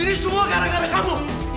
ini semua gara gara kamu